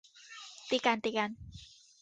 ตีกัน ตีกัน